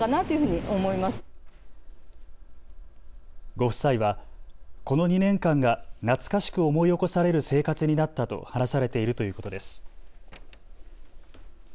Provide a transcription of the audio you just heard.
ご夫妻はこの２年間が懐かしく思い起こされる生活になったと話されているということです。